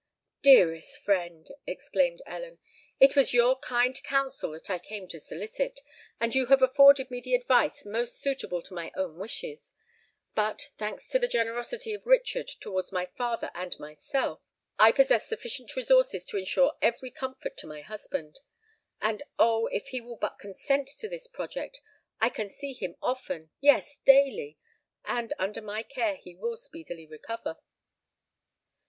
"Dearest friend," exclaimed Ellen, "it was your kind counsel that I came to solicit—and you have afforded me the advice most suitable to my own wishes. But, thanks to the generosity of Richard towards my father and myself, I possess sufficient resources to ensure every comfort to my husband. And, oh! if he will but consent to this project, I can see him often—yes, daily—and under my care he will speedily recover!"